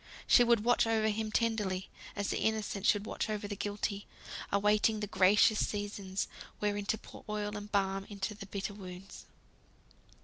She would watch over him tenderly, as the Innocent should watch over the Guilty; awaiting the gracious seasons, wherein to pour oil and balm into the bitter wounds.